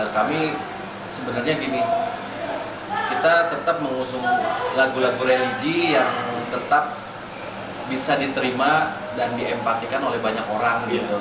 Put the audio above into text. kami sebenarnya gini kita tetap mengusung lagu lagu religi yang tetap bisa diterima dan diempatikan oleh banyak orang